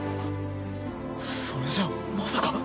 それじゃあまさか。